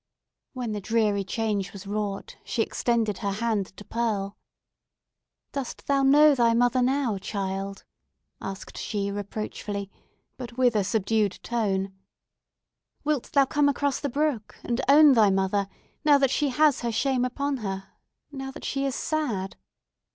When the dreary change was wrought, she extended her hand to Pearl. "Dost thou know thy mother now, child?", asked she, reproachfully, but with a subdued tone. "Wilt thou come across the brook, and own thy mother, now that she has her shame upon her—now that she is sad?"